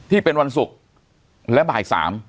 ที่เป็นวันศุกร์และบ่าย๓